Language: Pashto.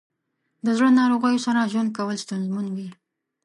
د زړه ناروغیو سره ژوند کول ستونزمن وي.